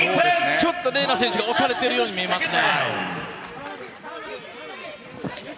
ちょっとＲＥＮＡ選手が押されているように見えますね。